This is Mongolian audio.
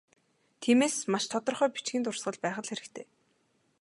Тиймээс, маш тодорхой бичгийн дурсгал байх л хэрэгтэй.